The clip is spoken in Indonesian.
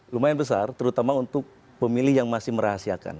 lumayan besar terutama untuk pemilih yang masih merahasiakan